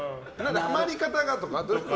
はまり方がとか？